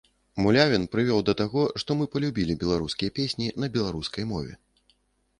Мулявін прывёў да таго, што мы палюбілі беларускія песні на беларускай мове.